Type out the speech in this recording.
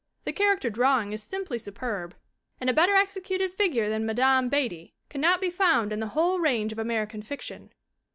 The character drawing is simply su perb and a better executed figure than Madame Beattie cannot be found in the whole range of American fic tion.